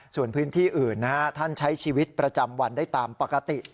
ส่วนพื้นที่อื่นท่านใช้ชีวิตประจำวันได้ตามปกติ